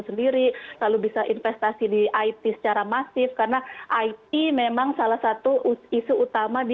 sendiri lalu bisa investasi di it secara masif karena it memang salah satu isu utama di